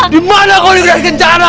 dimana kau ingrat kencana